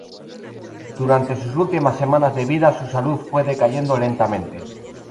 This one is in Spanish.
Durante sus últimas semanas de vida su salud fue decayendo lentamente.